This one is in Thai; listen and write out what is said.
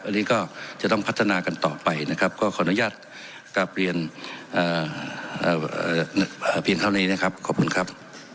อันนี้ก็จะต้องพัฒนากันต่อไปนะครับก็ขออนุญาตกลับเรียนเพียงเท่านี้นะครับขอบคุณครับ